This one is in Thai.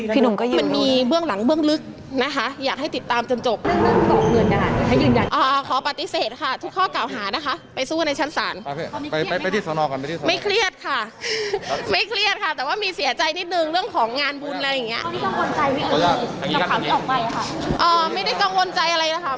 ทำให้เขาเป็นแบบนี้อะไรอย่างเงี้ย